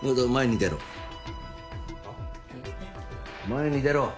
前に出ろ。